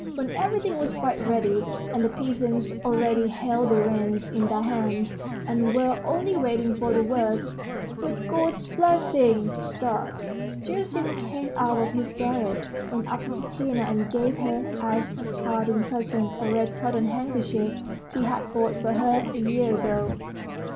When everything was quite ready, and the peasants already held the reins in their hands, and were only waiting for the words "With God's blessing!" to start, Gerasim came out of his garret, went up to Tatiana, and gave her as a parting present a red cotton handkerchief he had bought for her a year ago.